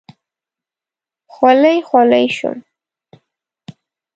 خولې خولې شوم.